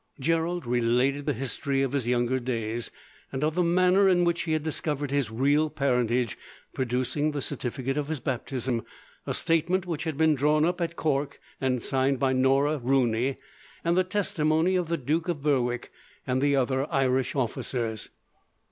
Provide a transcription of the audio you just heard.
Gerald related the history of his younger days, and of the manner in which he had discovered his real parentage, producing the certificate of his baptism, a statement which had been drawn up at Cork and signed by Norah Rooney, and the testimony of the Duke of Berwick and the other Irish officers.